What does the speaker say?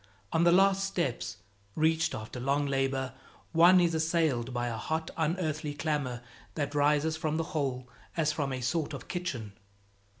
On the last steps, reached after long labor, one is assailed by a hot, unearthly clamor that rises from the hole as from a sort of kitchen.